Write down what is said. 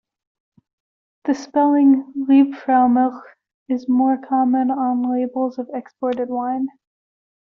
The spelling "Liebfraumilch" is more common on labels of exported wine.